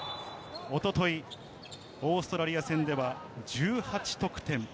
おととい、オーストラリア戦では１８得点。